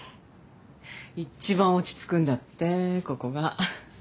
一番落ち着くんだってここが。